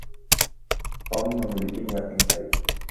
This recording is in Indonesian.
Tom memiliki niat yang baik.